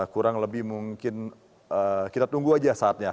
kurang lebih mungkin kita tunggu saja saatnya